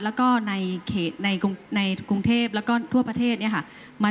ละก็ในเขจในกรุงในกรุงเทพแล้วก็ทั่วประเทศเนี่ยฮะมา